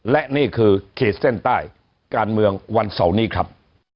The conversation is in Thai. และนี่คือขีดเส้นใต้การเมืองวันเสาร์นี้ครับ